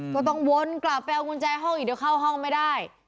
ก็ต้องวนกลับไปเอากุญแจห้องอีกเดี๋ยวเข้าห้องไม่ได้